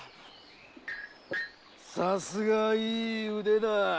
さすがいい腕だ！